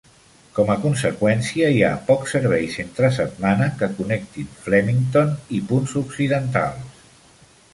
Com a conseqüència, hi ha pocs serveis entre setmana que connectin Flemington i punts occidentals.